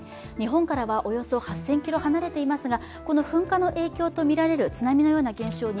日本からはおよそ８０００ｋｍ離れていますがこの噴火の影響とみられる津波のような現象